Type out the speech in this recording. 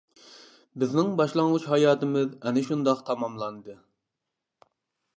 بىزنىڭ باشلانغۇچ ھاياتىمىز ئەنە شۇنداق تاماملاندى.